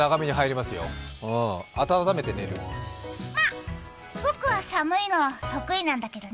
まっ、僕は寒いのは得意なんだけどね。